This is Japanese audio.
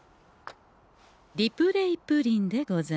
リプレイプリンでござんす。